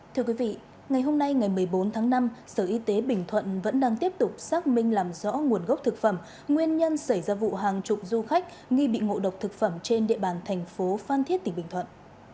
thưa quý vị ngày hôm nay ngày một mươi bốn tháng năm sở y tế bình thuận vẫn đang tiếp tục xác minh làm rõ nguồn gốc thực phẩm nguyên nhân xảy ra vụ hàng chục du khách nghi bị ngộ độc thực phẩm trên địa bàn thành phố phan thiết tỉnh bình thuận